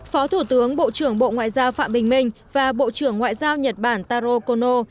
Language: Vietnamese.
phó thủ tướng bộ trưởng bộ ngoại giao phạm bình minh và bộ trưởng ngoại giao nhật bản taro kono